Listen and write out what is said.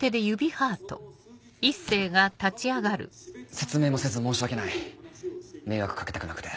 説明もせず申し訳ない迷惑掛けたくなくて。